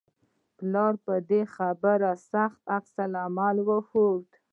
پلار په دې خبرې سخت عکس العمل وښود